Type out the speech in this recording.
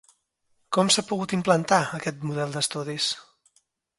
Com s'ha pogut implantar aquest model d'estudis?